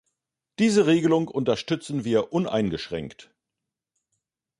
Diese Regelung unterstützen wir uneingeschränkt.